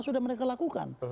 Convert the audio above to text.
sudah mereka lakukan